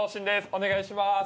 お願いします。